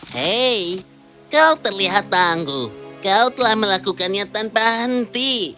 hei kau terlihat tangguh kau telah melakukannya tanpa henti